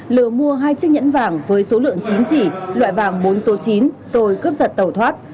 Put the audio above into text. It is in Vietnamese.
lừa mua hai chiếc nhẫn vàng với số lượng chín chỉ loại vàng bốn số chín rồi cướp giật tàu thoát